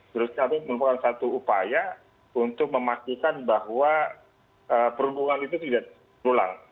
terus kami merupakan satu upaya untuk memastikan bahwa perhubungan itu tidak terulang